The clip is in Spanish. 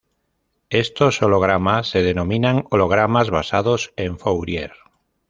Estos hologramas se denominan "hologramas basados en Fourier".